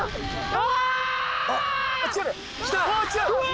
あ！